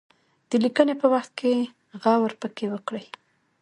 د لیکني په وخت کې غور پکې وکړي.